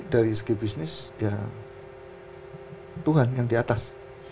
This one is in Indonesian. dari segi bisnis ya tuhan yang di atas